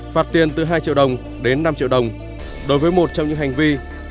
phạt tiền từ hai triệu đồng đến năm triệu đồng đối với một trong những hành vi